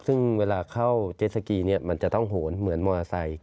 ซึ่งเวลาเข้าเจสสกีมันจะต้องโหนเหมือนมอเตอร์ไซค์